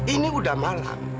ini udah malam